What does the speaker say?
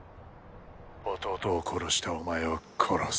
弟を殺したお前を殺す。